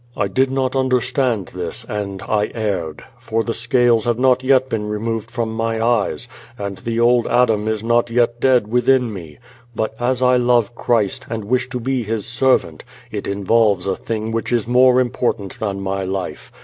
I did not understand this, and I erred, for the scales have not yet been removed from my eyes, and the old Adam is not yet dead within me. But, as I love Christ, and wish to be His servant, it involves a thing which is more important than my life.